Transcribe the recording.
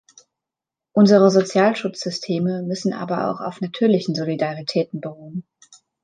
Unsere Sozialschutzsysteme müssen aber auch auf natürlichen Solidaritäten beruhen.